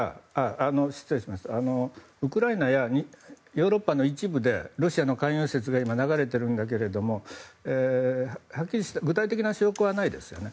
ウクライナやヨーロッパの一部でロシアの関与説が今、流れているんだけれども具体的な証拠はないですよね。